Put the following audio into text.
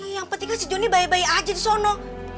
yang pentingnya si joni bayi bayi aja di sana